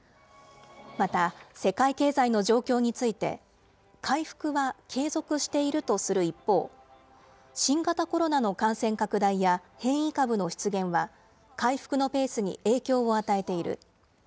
また世界経済の状況について、回復は継続しているとする一方、新型コロナの感染拡大や変異株の出現は、回復のペースに影響を与えている。